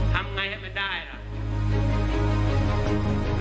ทำไงให้มันได้ล่ะ